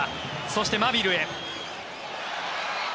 そして、マビルへ。